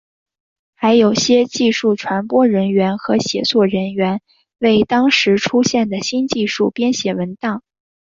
还有些技术传播人员和写作人员为当时出现的新技术编写文档。